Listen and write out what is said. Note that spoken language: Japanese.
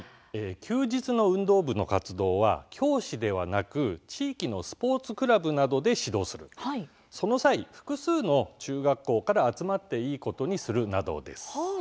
休日の運動部の活動は教師ではなく地域のスポーツクラブなどで指導する、その際複数の中学校から集まっていいことにする、などです。